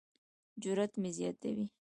جرات مې زیاتوي.